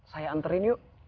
saya anterin yuk